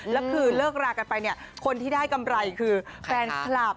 แล้วคือเลิกรากันไปเนี่ยคนที่ได้กำไรคือแฟนคลับ